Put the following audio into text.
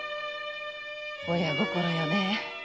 親心よねえ。